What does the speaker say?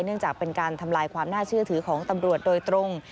เนื่องจากเป็นการทำลายความน่าเชื่อถือของตำรวจโดยตรง